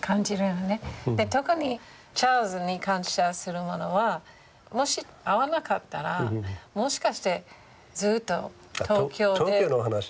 特にチャールズに感謝するものはもし会わなかったらもしかしてずっと東京で頑張ってるかもしれない。